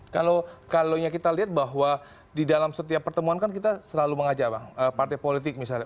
kalau yang kita lihat bahwa di dalam setiap pertemuan kan kita selalu mengajak bang partai politik misalnya